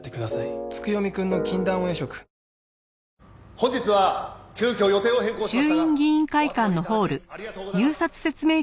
本日は急きょ予定を変更しましたがお集まり頂きありがとうございます。